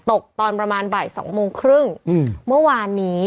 ตอนประมาณบ่าย๒โมงครึ่งเมื่อวานนี้